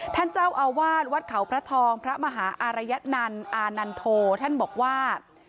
ท่านเจ้าอาวาสวัดเขาพระทองพระมหาอารยนันต์อานันโทท่านบอกว่า